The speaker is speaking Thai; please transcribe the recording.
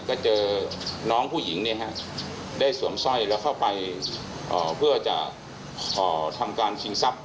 ก็เจอน้องผู้หญิงได้สวมสร้อยแล้วเข้าไปเพื่อจะทำการชิงทรัพย